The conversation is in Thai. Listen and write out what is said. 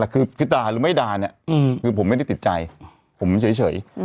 คือด่าหรือไม่ด่าเนี่ยคือผมไม่ได้ติดใจผมเฉย